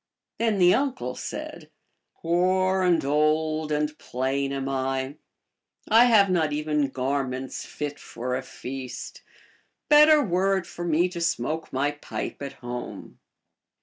Then the uncde said, " Poor and old and plain am I ; I have not even garments fit for a feast ; better were it for me to smoke my pipe at home."